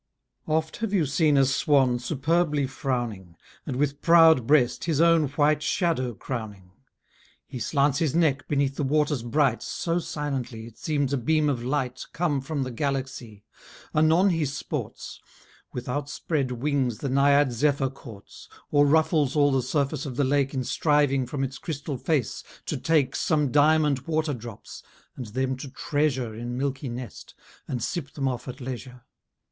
Oft have you seen a swan superbly frowning, And with proud breast his own white shadow crowning; He slants his neck beneath the waters bright So silently, it seems a beam of light Come from the galaxy: anon he sports, With outspread wings the Naiad Zephyr courts, Or ruffles all the surface of the lake In striving from its crystal face to take Some diamond water drops, and them to treasure In milky nest, and sip them off at leisure.